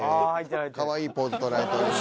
かわいいポーズとられてます。